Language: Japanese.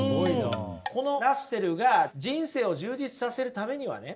このラッセルが人生を充実させるためにはね